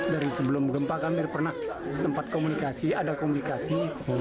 dari sebelum gempa kami pernah sempat komunikasi ada komunikasi